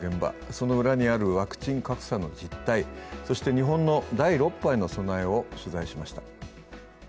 その裏にあるワクチン格差の実態、そして日本の第６波への備えを取材しました。